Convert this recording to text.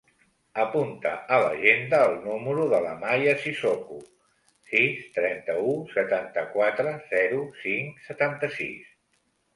Apunta a l'agenda el número de l'Amaia Sissoko: sis, trenta-u, setanta-quatre, zero, cinc, setanta-sis.